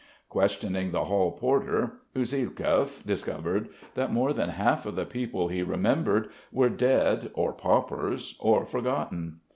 Questioning the hall porter, Usielkov discovered that more than half of the people he remembered were dead or paupers or forgotten.